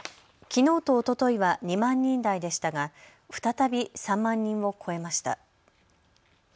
きのうとおとといは２万人台でしたが再び３万人を超えました。